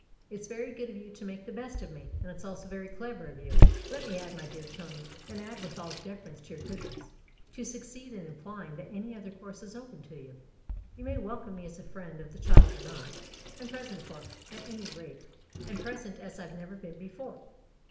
" It's very good of you to make the best of me ; and it's also very clever of you, let me add, my dear Tony and add with all deference to your goodness to succeed in implying that any other course is open to you. You may welcome me as a friend of the child or not. I'm present for her, at any rate, and present as I've never been before."